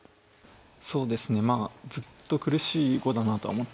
そうですねずっと苦しい碁だなとは思ってたんですけど。